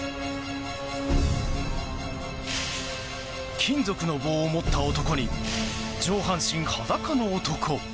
金属の棒を持った男に上半身裸の男。